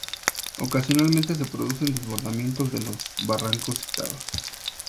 Ocasionalmente se producen desbordamientos de los barrancos citados.